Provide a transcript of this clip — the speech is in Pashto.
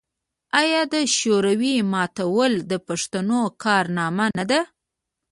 آیا د شوروي ماتول د پښتنو کارنامه نه ده؟